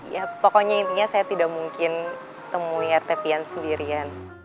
ya pokoknya intinya saya tidak mungkin temui rtpn sendirian